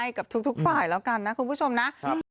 กับทุกฝ่ายแล้วกันนะคุณผู้ชมนะ